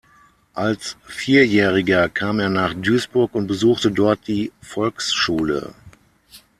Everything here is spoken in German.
Als Vierjähriger kam er nach Duisburg und besuchte dort die Volksschule.